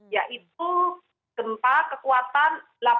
yaitu gempa kekuatan delapan